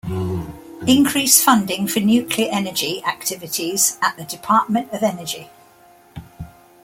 Increase funding for nuclear energy activities at the Department of Energy.